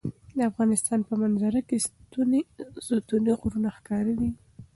د افغانستان په منظره کې ستوني غرونه ښکاره ده.